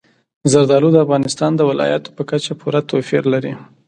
زردالو د افغانستان د ولایاتو په کچه پوره توپیر لري.